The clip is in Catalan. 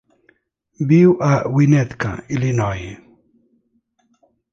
Viu a Winnetka, Illinois.